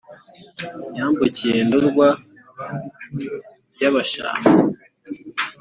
Yambukiye Ndorwa y’abashambo